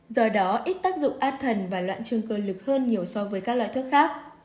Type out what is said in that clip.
do đó ít tác dụng áp thần và loạn chương cơ lực hơn nhiều so với các loại thuốc khác